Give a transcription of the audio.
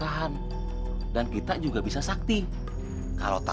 ya udah jangan lama lama